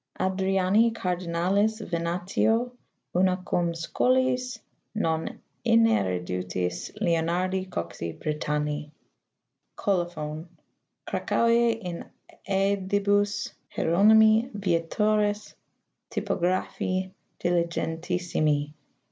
Adriani Cardinalis Venatio, una cum Scholiis non ineruditis Leonardi Coxi Britanni. [Colophon :] Cracouise, in sedibus Hier onymi Vietoris Typographi diligentissimi.